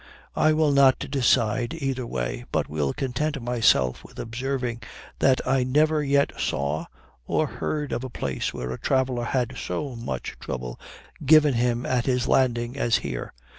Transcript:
I will not decide either way, but will content myself with observing that I never yet saw or heard of a place where a traveler had so much trouble given him at his landing as here.